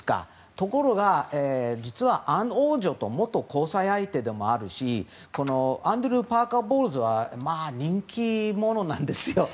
ところが、実はアン王女の元交際相手でもあるしアンドリュー・パーカー・ボウルズは人気者なんですよ。